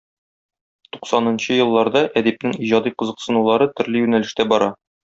Туксанынчы елларда әдипнең иҗади кызыксынулары төрле юнәлештә бара.